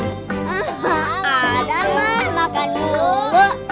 adam ah makan dulu